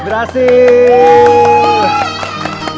jadi dekat di almighty